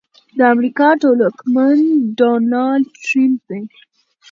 د امريکا ټولواکمن ډونالډ ټرمپ دی.